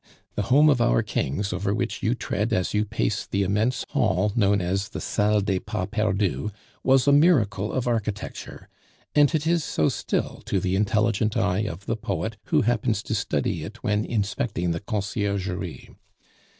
The home of our kings, over which you tread as you pace the immense hall known as the Salle des Pas Perdus, was a miracle of architecture; and it is so still to the intelligent eye of the poet who happens to study it when inspecting the Conciergerie.